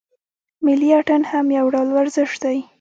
ملي اتڼ هم یو ډول ورزش دی.